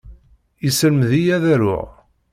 Yesselmed-iyi ad aruɣ.